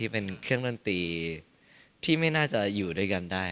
เป็นเครื่องดนตรีที่ไม่น่าจะอยู่ด้วยกันได้